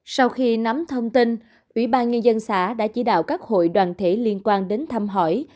sau khi nắm thông tin ủy ban nhân dân xã đã chỉ đạo các hội đoàn thể liên quan đến thăm hỏi